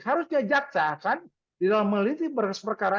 harusnya jaksa kan di dalam meneliti berkas perkara